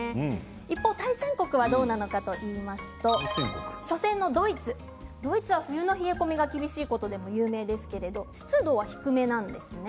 一方、対戦国はどうなのかといいますと初戦のドイツドイツは冬の冷え込みが厳しいことでも有名ですけれども湿度は低めなんですね。